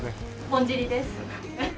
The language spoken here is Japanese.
ぼんじりです。